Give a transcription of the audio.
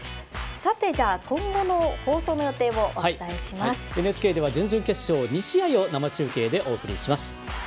さてじゃあ、今後の放送のＮＨＫでは準々決勝２試合を生中継でお送りします。